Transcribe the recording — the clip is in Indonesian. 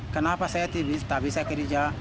kenapa saya tak bisa kerja